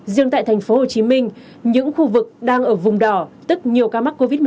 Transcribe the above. riêng tại thành phố hồ chí minh những khu vực đang ở vùng đỏ tức nhiều ca mắc covid một mươi chín